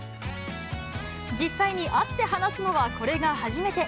実際に会って話すのはこれが初めて。